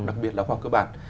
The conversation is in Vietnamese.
đặc biệt là khoa học cơ bản